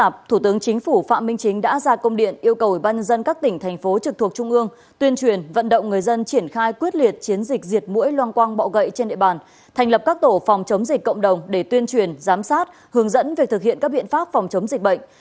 phạm minh chính đã ra công điện yêu cầu ủy ban dân các tỉnh thành phố trực thuộc trung ương tuyên truyền vận động người dân triển khai quyết liệt chiến dịch diệt mũi loang quang bạo gậy trên địa bàn thành lập các tổ phòng chống dịch cộng đồng để tuyên truyền giám sát hướng dẫn về thực hiện các biện pháp phòng chống dịch bệnh